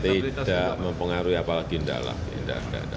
tidak mempengaruhi apalagi undang undang